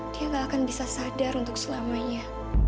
dia gak akan bisa sadar untuk selamanya